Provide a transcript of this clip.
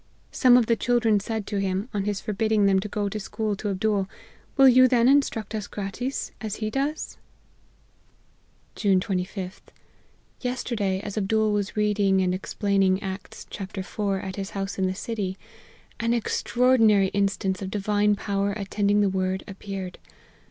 Some of the children said to him, on his forbidding them to go to school to Abdool, * Will you then instruct us gratis, as he does *' U 230 APPENDIX. " June 25th. Yesterday, as Abdool was read ing and explaining Acts iv. at his house in the city, an extraordinary instance of Divine power attend ing the Word, appeared.